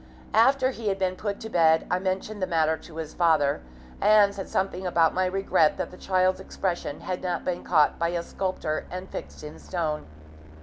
After he had been put to bed I mentioned the matter to his father, and said something about my regret that the child's expression had not been caught by a sculptor and fixed in stone.